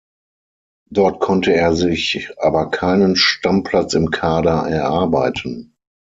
Dort konnte er sich aber keinen Stammplatz im Kader erarbeiten.